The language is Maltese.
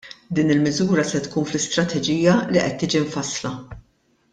Din il-miżura se tkun fl-istrateġija li qed tiġi mfassla.